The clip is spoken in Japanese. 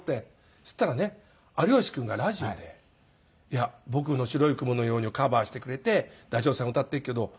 そしたらね有吉君がラジオで僕の『白い雲のように』をカバーしてくれてダチョウさん歌っているけど。